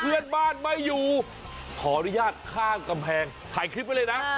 เพื่อนบ้านไม่อยู่ขออนุญาตข้ามกำแพงถ่ายคลิปไว้เลยนะ